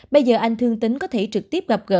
bây giờ anh thương tính có thể trực tiếp gặp gỡ làm việc